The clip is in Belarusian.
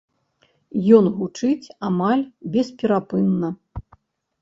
Ён гучыць амаль бесперапынна.